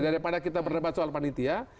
daripada kita berdebat soal panitia